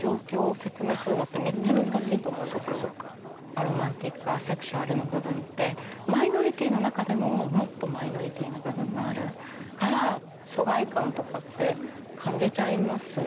アロマンティック・アセクシュアルの部分ってマイノリティーの中でももっとマイノリティーな部分があるから疎外感とかって感じちゃいますよね。